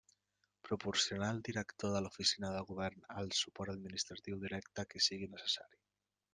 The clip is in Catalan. Proporcionar al director de l'Oficina del Govern el suport administratiu directe que sigui necessari.